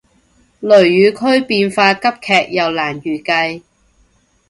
雷雨區變化急劇又難預計